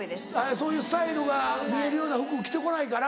そういうスタイルが見えるような服着て来ないから。